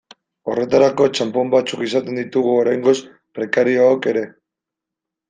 Horretarako txanpon batzuk izaten ditugu oraingoz prekariook ere.